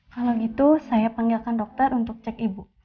kalau gitu saya panggilkan dokter untuk cek ibu